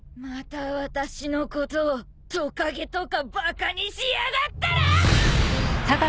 また私のことをトカゲとかバカにしやがったな！！